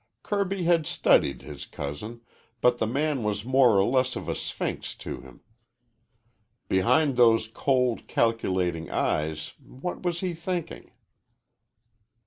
Kirby had studied his cousin, but the man was more or less of a sphinx to him. Behind those cold, calculating eyes what was he thinking?